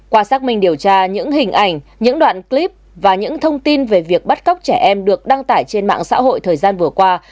qua xác minh điều tra những hình ảnh những đoạn clip và những thông tin về việc bắt cóc trẻ em được đăng tải trên mạng xã hội thời gian vừa qua